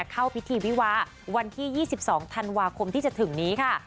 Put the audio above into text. เข้าพิธีวิวาวันที่๒๒ธันวาคมที่จะถึงนี้ค่ะ